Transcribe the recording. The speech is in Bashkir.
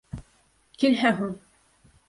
— Килһә һуң?